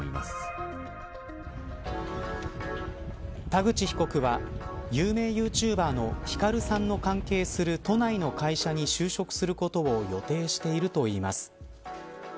田口被告は有名ＹｏｕＴｕｂｅｒのヒカルさんの関係する都内の会社に就職することを予定しているといいます。